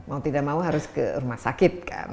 mau tidak mau harus ke rumah sakit kan